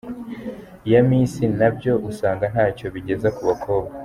ya Miss nabyo usanga ntacyo bigeza ku bakobwa.